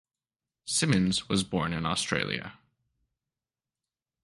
Simmons was born in Australia.